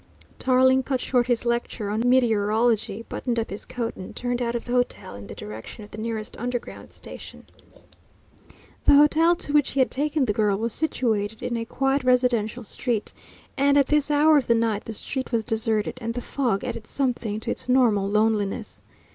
Tarling cut short his lecture on meteorology, buttoned up his coat, and turned out of the hotel in the direction of the nearest underground station. The hotel to which he had taken the girl was situated in a quiet residential street, and at this hour of the night the street was deserted, and the fog added something to its normal loneliness.